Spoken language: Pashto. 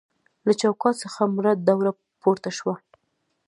له چوکاټ څخه مړه دوړه پورته شوه.